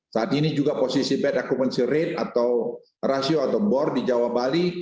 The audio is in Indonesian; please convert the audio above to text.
saat ini juga posisi bad occupancy rate atau rasio atau bor di jawa bali